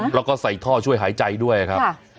แล้วก็ใส่ท่อช่วยหายใจด้วยครับ